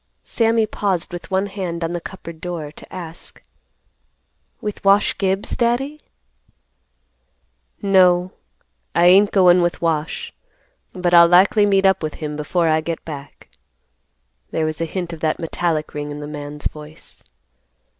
Sammy paused with one hand on the cupboard door to ask, "With Wash Gibbs, Daddy?" "No, I ain't goin' with Wash; but I'll likely meet up with him before I get back." There was a hint of that metallic ring in the man's voice.